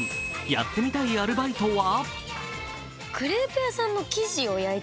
やってみたいアルバイトは？